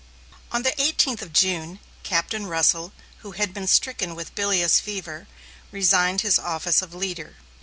On the eighteenth of June, Captain Russell, who had been stricken with bilious fever, resigned his office of leader.